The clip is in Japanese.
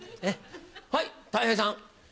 はいたい平さん。